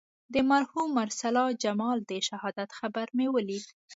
د مرحوم ارسلا جمال د شهادت خبر مې ولید.